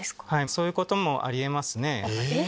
そういうこともあり得ますね。